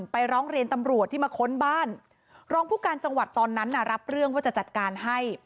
ร้องเรียนตำรวจที่มาค้นบ้านรองผู้การจังหวัดตอนนั้นน่ะรับเรื่องว่าจะจัดการให้